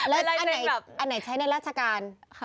แล้วอันไหนใช้ในราชการ